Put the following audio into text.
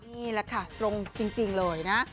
นี่แหละค่ะตรงจริงเลยนะ